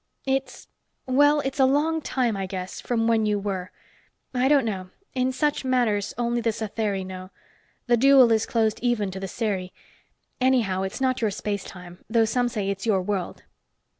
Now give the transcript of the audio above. It's well, it's a long time, I guess from when you were. I don't know. In such matters, only the Satheri know. The Dual is closed even to the Seri. Anyhow, it's not your space time, though some say it's your world."